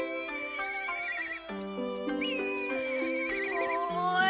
おい！